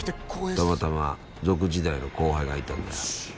たまたま族時代の後輩がいたんだよ。